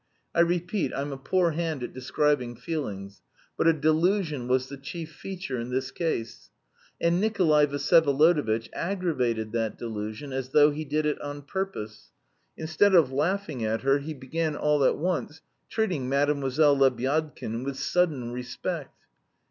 I repeat I'm a poor hand at describing feelings. But a delusion was the chief feature in this case. And Nikolay Vsyevolodovitch aggravated that delusion as though he did it on purpose. Instead of laughing at her he began all at once treating Mlle. Lebyadkin with sudden respect.